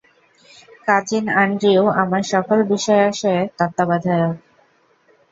Cousin Andrew, আমার সকল বিষয়আশয়ের তত্ত্বাবধায়ক!